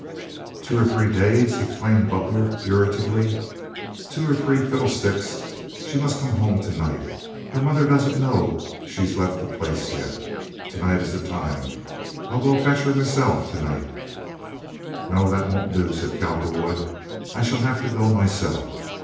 "Two or three days!" exclaimed Butler, irritably. "Two or three fiddlesticks! She must come home to night. Her mother doesn't know she's left the place yet. To night is the time! I'll go and fetch her meself to night." "No, that won't do," said Cowperwood. "I shall have to go myself.